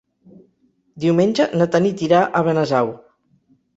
Diumenge na Tanit irà a Benasau.